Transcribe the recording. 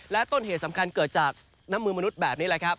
ต้นเหตุสำคัญเกิดจากน้ำมือมนุษย์แบบนี้แหละครับ